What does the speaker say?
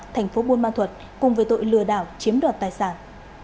thành phố buôn ma thuật cùng với tội lừa đảo chiếm đoạt tài sản